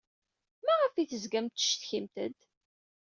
Maɣef ay tezgamt tettcetkimt-d?